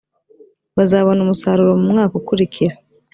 bazabona umusaruro mu mwaka ukurikira